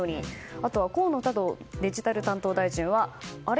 あとは河野太郎デジタル担当大臣はあれ？